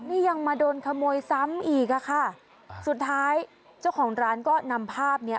นี่ยังมาโดนขโมยซ้ำอีกอ่ะค่ะสุดท้ายเจ้าของร้านก็นำภาพเนี้ย